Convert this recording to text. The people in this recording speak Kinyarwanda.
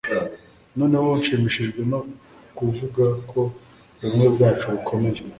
noneho nshimishijwe no kuvuga ko ubumwe bwacu bukomeye